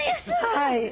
はい。